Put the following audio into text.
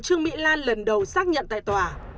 trương mỹ lan lần đầu xác nhận tại tòa